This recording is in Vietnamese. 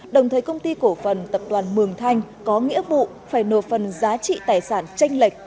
đồng thời công ty cổ phần tập đoàn mường thanh có nghĩa vụ phải nộp phần giá trị tài sản tranh lệch